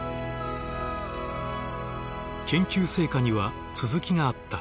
研究成果には続きがあった。